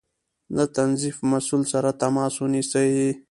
له تنظيف مسؤل سره تماس ونيسئ